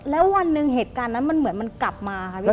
แล้ววันหนึ่งเหตุการณ์นั้นมันเหมือนมันกลับมาค่ะพี่